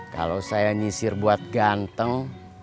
kalau saya nyisir buat ganteng